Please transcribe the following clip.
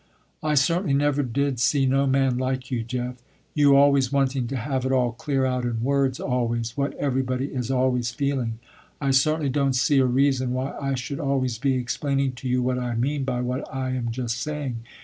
"I certainly never did see no man like you, Jeff. You always wanting to have it all clear out in words always, what everybody is always feeling. I certainly don't see a reason, why I should always be explaining to you what I mean by what I am just saying.